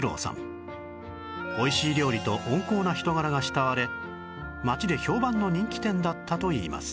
おいしい料理と温厚な人柄が慕われ街で評判の人気店だったといいます